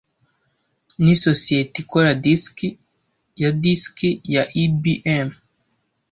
Nisosiyete ikora disiki ya disiki ya IBM